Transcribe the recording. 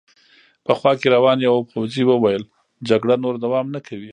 په خوا کې روان یوه پوځي وویل: جګړه نور دوام نه کوي.